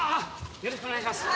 よろしくお願いします。